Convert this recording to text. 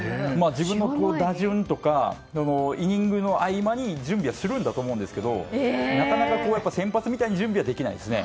自分の打順とかイニングの合間に準備はするんだと思うんですがなかなか、先発みたいに準備はできないですね。